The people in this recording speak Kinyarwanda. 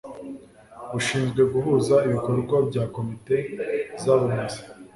bushinzwe guhuza ibikorwa bya Komite z Abunzi